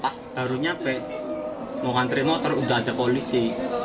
pas baru nyampe mau ngantri motor udah ada polisi